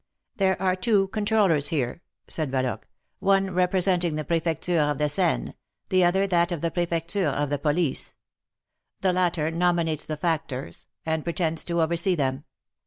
There are two controllers here/' said Yaloque j ^'one representing the Prefecture of the Seine, the other that of the Prefecture of the Police; the latter nominates the factors, and pretends to oversee them.